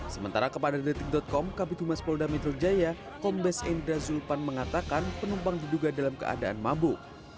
sementara kepada detik com kabit humas polda metro jaya kombes endra zulpan mengatakan penumpang diduga dalam keadaan mabuk